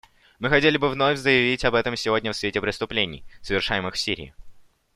Мы хотели бы вновь заявить об этом сегодня в свете преступлений, совершаемых в Сирии.